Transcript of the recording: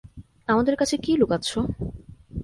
আমাদের কাছে কী লুকাচ্ছো?